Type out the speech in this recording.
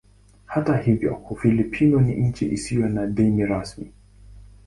Hata hivyo Ufilipino ni nchi isiyo na dini rasmi.